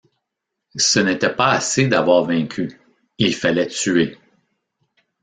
Ce n’était pas assez d’avoir vaincu, il fallait tuer.